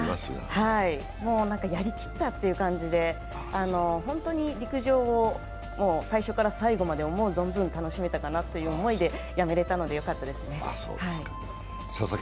はい、やりきったという感じで、本当に陸上を最初から最後まで思う存分楽しめたという思いでやめれたので、よかったですね。